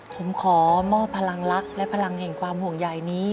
ผมขอมอบพลังลักษณ์และพลังแห่งความห่วงใหญ่นี้